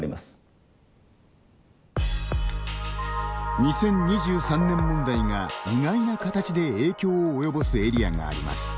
２０２３年問題が意外な形で影響を及ぼすエリアがあります。